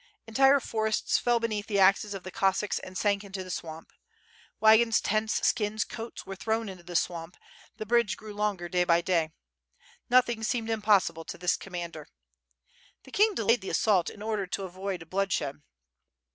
Entire forests fell beneath the axes of the Cossacks and sank into the swamp. Wagons, tents, skins, coats, were thrown into the swamp, the bridge grew longer day by day. Nothing seemed impossible to this commander. The king delayed the assault in order to avoid bloodshed.